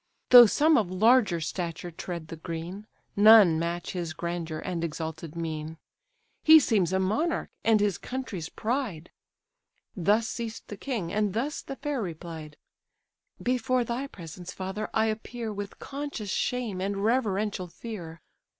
Though some of larger stature tread the green, None match his grandeur and exalted mien: He seems a monarch, and his country's pride." Thus ceased the king, and thus the fair replied: "Before thy presence, father, I appear, With conscious shame and reverential fear.